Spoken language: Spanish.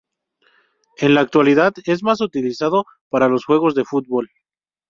En la actualidad, es más utilizado para los juegos de fútbol.